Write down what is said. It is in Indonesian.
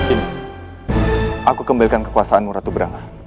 ini aku kembilkan kekuasaanmu ratu brang